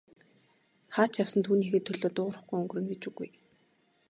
Хаа ч явсан түүнийхээ төлөө дуугарахгүй өнгөрнө гэж үгүй.